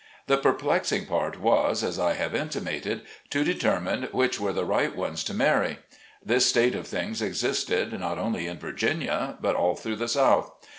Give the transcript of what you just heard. The perplexing part was, as I have intimated, to determine which were the right ones to marry. This state of things existed not only in Virginia, but all through the South.